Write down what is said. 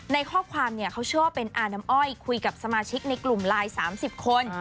ในข้อความเขาเชื่อว่าเป็นอาน้ำอ้อยคุยกับสมาชิกในกลุ่มไลน์๓๐คน